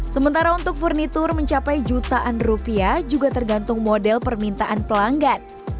sementara untuk furnitur mencapai jutaan rupiah juga tergantung model permintaan pelanggan